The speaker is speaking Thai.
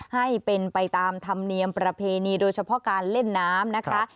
ให้เป็นไปตามธรรมเนียมประเพณีโดยเฉพาะการเล่นน้ำนะคะ